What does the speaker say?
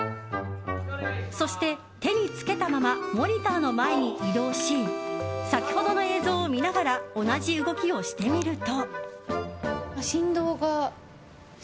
そして、手に付けたままモニターの前に移動し先ほどの映像を見ながら同じ動きをしてみると。